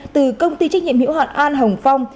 từ công ty trách nhiệm hiệu hạn an hồng phong